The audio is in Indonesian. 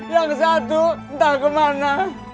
yang satu entah kemana